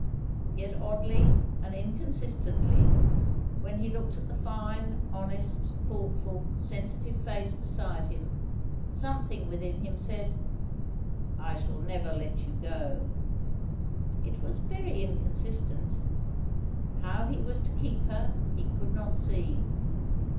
Yet oddly, and inconsistently, when he looked at the fine, honest, thoughtful, sensitive face beside him, something within him said, "I shall never let you go." It was very inconsistent. How he was to keep her, he could not see.